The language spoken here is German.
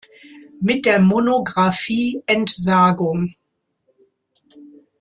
Mit der Monographie „Entsagung.